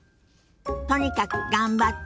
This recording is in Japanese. とにかく頑張って。